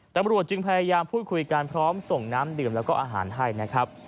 ตำรวจจึงพยายามพูดคุยกันพร้อมส่งน้ำดื่มแล้วก็อาหารให้นะครับ